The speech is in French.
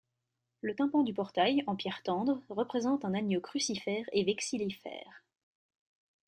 Le tympan du portail, en pierre tendre, représente un agneau crucifère et vexillifère.